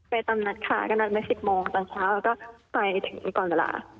ไปตามนัดค่ะก็นัดไม่สิบโมงตอนเช้าก็ไปถึงก่อนเวลา